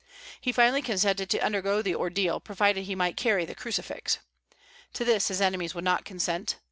He finally consented to undergo the ordeal, provided he might carry the crucifix. To this his enemies would not consent.